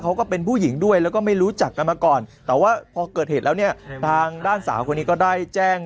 ก็เป็นผู้หญิงด้วยแล้วก็ไม่รู้จักกันมาก่อนแต่ว่าพอเกิดเหตุแล้วเนี่ยทางด้านสาวคนนี้ก็ได้แจ้ง